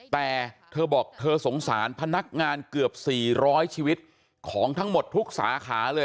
แต่เธอบอกเธอสงสารพนักงานเกือบ๔๐๐ชีวิตของทั้งหมดทุกสาขาเลย